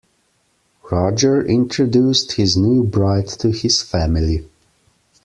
Roger introduced his new bride to his family.